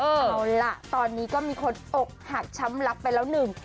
เอาล่ะตอนนี้ก็มีคนอกหักช้ำลักไปแล้วหนึ่ง